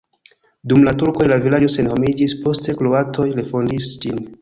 Dum la turkoj la vilaĝo senhomiĝis, poste kroatoj refondis ĝin.